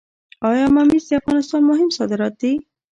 آیا ممیز د افغانستان مهم صادرات دي؟